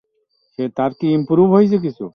কলমে চাষ।